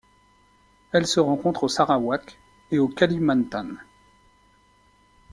Elle se rencontre au Sarawak et au Kalimantan.